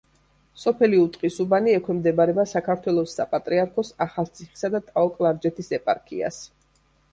სოფელი უტყისუბანი ექვემდებარება საქართველოს საპატრიარქოს ახალციხისა და ტაო-კლარჯეთის ეპარქიას.